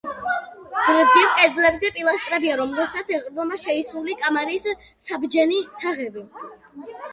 გრძივ კედლებზე პილასტრებია, რომლებსაც ეყრდნობა შეისრული კამარის საბჯენი თაღები.